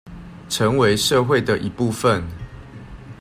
成為社會的一部分